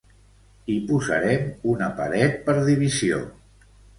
Hi posarem una paret per divisió.